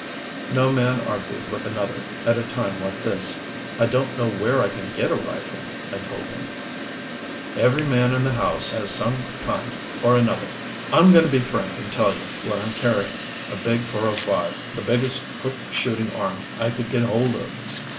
No man argued with another, at a time like this. "I don't know where I can get a rifle," I told him. "Every man in the house has got some kind or another. I'm going to be frank and tell you what I'm carrying a big .405, the biggest quick shooting arm I could get hold of.